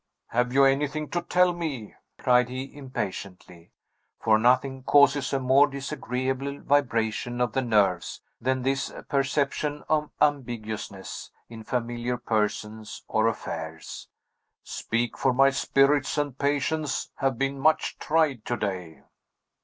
"Have you anything to tell me?" cried he impatiently; for nothing causes a more disagreeable vibration of the nerves than this perception of ambiguousness in familiar persons or affairs. "Speak; for my spirits and patience have been much tried to day."